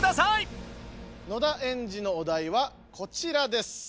野田エンジのお題はこちらです。